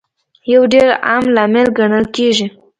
یو ډېر عام لامل ګڼل کیږي